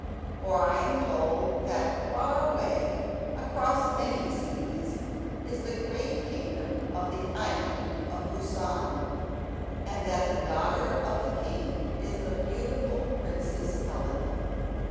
For I am told that, far away, across many seas, is the great kingdom of the Island of Busan, and that the daughter of the king is the beautiful Princess Helena."